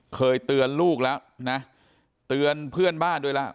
เคยเตือนลูกแล้วนะเตือนเพื่อนบ้านด้วยแล้ว